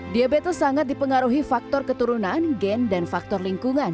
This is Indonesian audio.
diabetes sangat dipengaruhi faktor keturunan gen dan faktor lingkungan